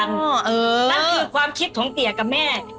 นั่นคือความคิดของเตี๋ยกับแม่